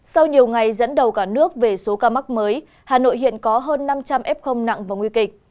sau nhiều ngày dẫn đầu cả nước về số ca mắc mới hà nội hiện có hơn năm trăm linh f nặng và nguy kịch